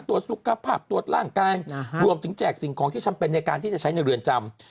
ตรวจสุขภาพตรวจร่างกายรวมถึงแจกสิ่งของที่จำเป็นในการที่จะใช้ในเรือนจำ